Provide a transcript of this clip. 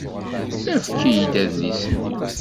Efk-iyi-d adlis-nni.